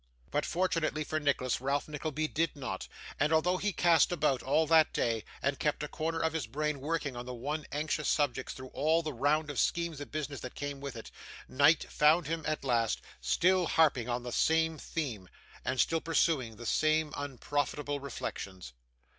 But, fortunately for Nicholas, Ralph Nickleby did not; and although he cast about all that day, and kept a corner of his brain working on the one anxious subject through all the round of schemes and business that came with it, night found him at last, still harping on the same theme, and still pursuing the same unprofitable reflections.